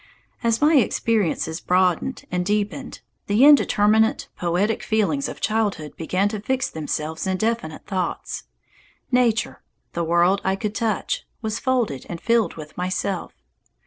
As my experiences broadened and deepened, the indeterminate, poetic feelings of childhood began to fix themselves in definite thoughts. Nature the world I could touch was folded and filled with myself.